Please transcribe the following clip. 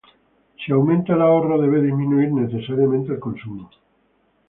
Si aumenta el ahorro, debe disminuir necesariamente el consumo.